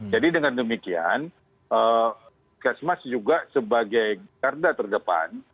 jadi dengan demikian pusat smas juga sebagai garda terdepan